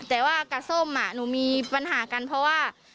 แต่ว่ากับส้มหนูมีปัญหากันเพราะว่า